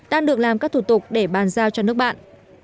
đang được làm các thủ tục để bàn giao cho nước bạn